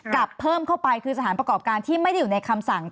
กลับเพิ่มเข้าไปคือสถานประกอบการที่ไม่ได้อยู่ในคำสั่ง